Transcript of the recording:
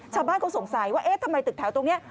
ชาวบ้านเขาสงสัยว่าเอ๊ะทำไมตึกแถวตรงนี้